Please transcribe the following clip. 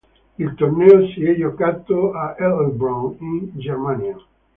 Il torneo si è giocato a Heilbronn in Germania.